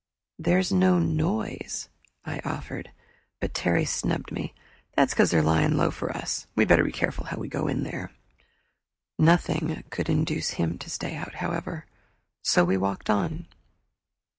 "There's no noise," I offered; but Terry snubbed me "That's because they are laying low for us; we'd better be careful how we go in there." Nothing could induce him to stay out, however, so we walked on.